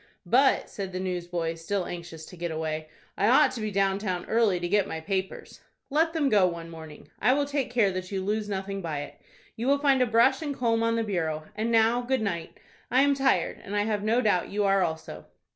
"But," said the newsboy, still anxious to get away, "I ought to be down town early to get my papers." "Let them go one morning. I will take care that you lose nothing by it. You will find a brush and comb on the bureau. And now, good night. I am tired, and I have no doubt you are also."